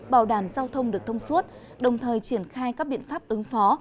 bảo đảm giao thông được thông suốt đồng thời triển khai các biện pháp ứng phó